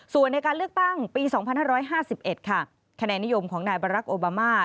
ส่วนในการเลือกตั้งปี๒๕๕๑ค่ะคะแนนนิยมของนายบารักษ์โอบามา